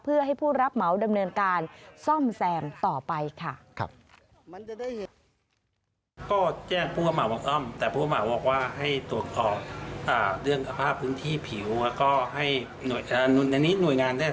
เพื่อให้ผู้รับเหมาดำเนินการซ่อมแซมต่อไปค่ะ